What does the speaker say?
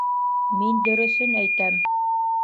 Мин дөрөҫөн әйтәм!